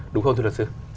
đúng không thưa luật sư